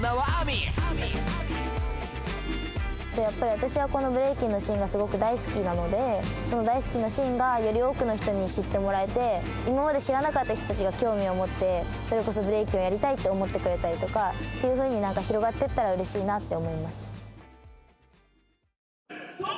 私はこのブレイキンのシーンがすごく大好きなので、その大好きなシーンがより多くの人に知ってもらえて、今まで知らなかった人たちが興味を持って、それこそブレイキンをやりたいって思ってくれたりとか広がっていったらうれしいなって思います。